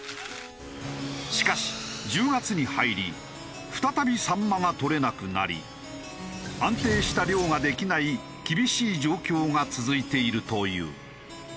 しかし１０月に入り再びサンマがとれなくなり安定した漁ができない厳しい状況が続いているという。